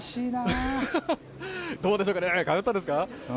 どうでしょうかね、通ったんですか？